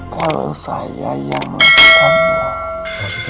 kalau saya yang melakukan itu